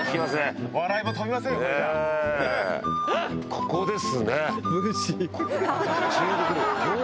ここですね。